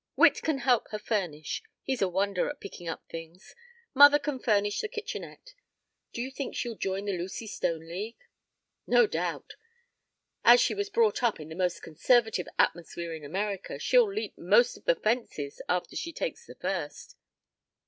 Witt can help her furnish; he's a wonder at picking up things. Mother can furnish the kitchenette. Do you think she'd join the Lucy Stone League?" "No doubt, as she was brought up in the most conservative atmosphere in America, she'll leap most of the fences after she takes the first.